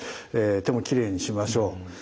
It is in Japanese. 手もきれいにしましょう。